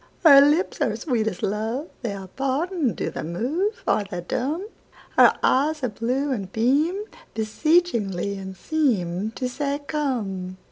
Her lips are sweet as love; They are parting! Do they move? Are they dumb? Her eyes are blue, and beamBeseechingly, and seemTo say, "Come!"